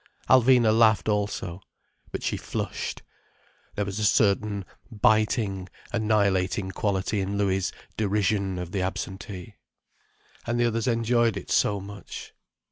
Alvina laughed also. But she flushed. There was a certain biting, annihilating quality in Louis' derision of the absentee. And the others enjoyed it so much.